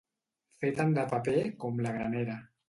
Fer tant de paper com la granera.